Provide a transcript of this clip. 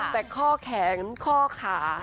แต่ข้อแขนข้อขา